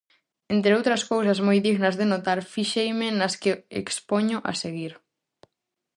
Entre outras cousas moi dignas de notar, fixeime nas que expoño a seguir.